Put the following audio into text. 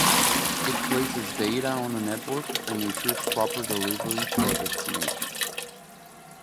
It places data on a network and ensures proper delivery to a destination.